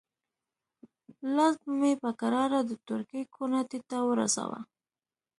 لاس به مې په کراره د تورکي کوناټي ته ورساوه.